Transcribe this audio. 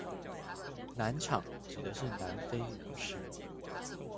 南廠指的是南非模式